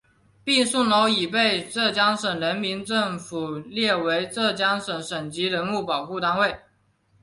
皕宋楼已被浙江省人民政府列为浙江省省级文物保护单位。